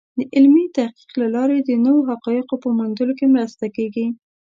د علمي تحقیق له لارې د نوو حقایقو په موندلو کې مرسته کېږي.